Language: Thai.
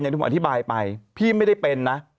ที่ผมอธิบายไปพี่ไม่ได้เป็นนะ